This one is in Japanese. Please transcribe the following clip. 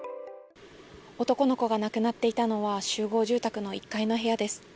男の子が亡くなっていたのは集合住宅の１階の部屋です。